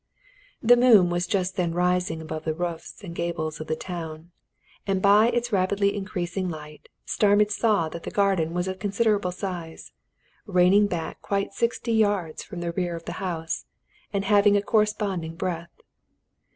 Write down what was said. The moon was just then rising above the roofs and gables of the town, and by its rapidly increasing light Starmidge saw that the garden was of considerable size, running back quite sixty yards from the rear of the house, and having a corresponding breadth.